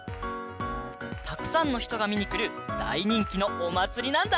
たくさんのひとがみにくるだいにんきのおまつりなんだ！